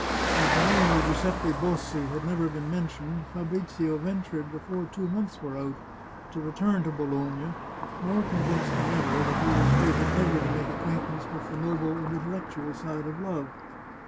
As the name of Giuseppe Bossi had never been mentioned, Fabrizio ventured, before two months were out, to return to Bologna, more convinced than ever that he was fated never to make acquaintance with the noble and intel lectual side of love.